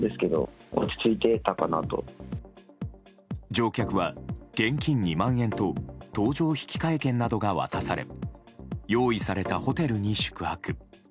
乗客は現金２万円と搭乗引換券などが渡され用意されたホテルに宿泊。